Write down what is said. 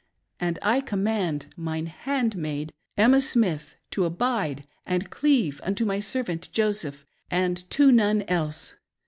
And I command mine handmaid, Emma Smith, to abide and cleave unt<? my servant Joseph, and to none else.